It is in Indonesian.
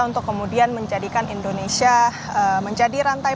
untuk kemudian menjadikan indonesia menjadi rantai